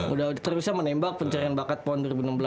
udah terusnya menembak pencarian bakat pon dua ribu enam belas